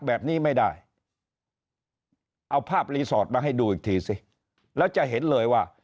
แบบนี้ไม่ได้เอาภาพรีสอร์ทมาให้ดูอีกทีสิแล้วจะเห็นเลยว่า